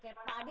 oke pak adib